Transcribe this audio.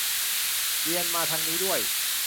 เรียนมาทางนี้ด้วย